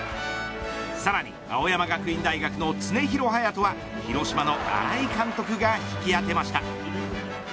さらに青山学院大学の常廣羽也斗は広島の新井監督が引き当てました。